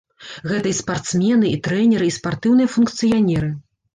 Гэта і спартсмены, і трэнеры, і спартыўныя функцыянеры.